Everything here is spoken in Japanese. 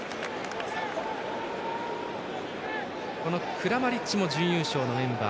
クラマリッチも準優勝のメンバー。